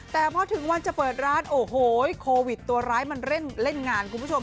แต่พอถึงวันจะเปิดร้านโอ้โหโควิดตัวร้ายมันเล่นงานคุณผู้ชม